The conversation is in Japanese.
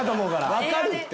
分かるって！